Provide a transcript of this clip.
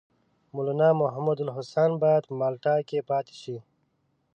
مولنا محمودالحسن باید په مالټا کې پاته شي.